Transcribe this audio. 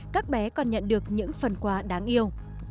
các bé còn nhận được những phần quà đáng yêu